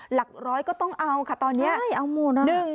หลักร้อยก็ต้องเอาค่ะตอนนี้หนึ่งใช่เอาหมดอ่ะ